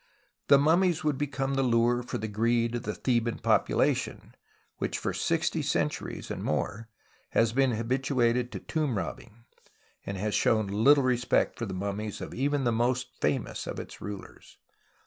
For the mummies would become tlie lure for tlie greed of the Tlieban population, which for sixty centuries and more has been habituated to tomb robbing, and has shown little respect for the mummies of even the most famous of its rulers.